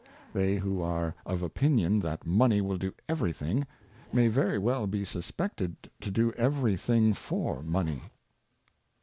They who are of opinion that Money will do every thing, may very well be suspected to do every thing for Money.